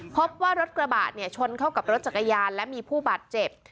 พบว่ารถกระบะเนี่ยชนเข้ากับรถจักรยานและมีผู้บาดเจ็บ